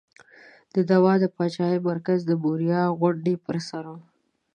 د داود د پاچاهۍ مرکز د موریا غونډۍ پر سر و.